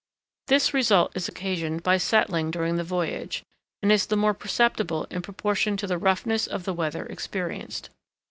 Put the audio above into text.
This result is occasioned by settling during the voyage, and is the more perceptible in proportion to the roughness of the weather experienced.